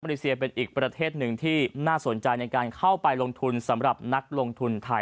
เลเซียเป็นอีกประเทศหนึ่งที่น่าสนใจในการเข้าไปลงทุนสำหรับนักลงทุนไทย